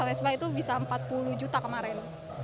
wsb itu bisa empat puluh juta kemarin